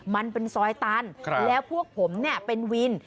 มันเป็นซอยตันแล้วพวกผมเนี่ยเป็นวิน